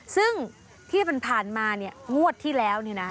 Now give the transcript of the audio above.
ซึ่งที่มันผ่านมาเนี่ยงวดที่แล้วเนี่ยนะ